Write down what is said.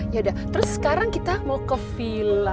yaudah terus sekarang kita mau ke villa